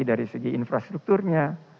dari segi infrastrukturnya